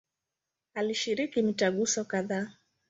Alishiriki mitaguso kadhaa.